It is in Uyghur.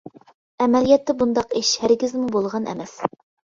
ئەمەلىيەتتە بۇنداق ئىش ھەرگىزمۇ بولغان ئەمەس.